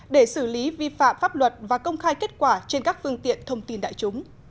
để xử lý vi phạm pháp luật và công khai kết quả trên các phương tiện thông tin đại chúng